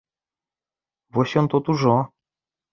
Вось ён тут ужо!